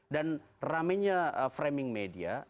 dan rame nya framing media